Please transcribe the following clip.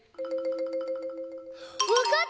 わかった！